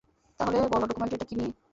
তাহলে বলো, ডকুমেন্টারিটা কী নিয়ে?